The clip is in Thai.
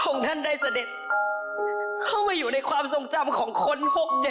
ของท่านได้เสด็จเข้ามาอยู่ในความทรงจำของคน๖๗๐ล้านคนค่ะทุกท่าน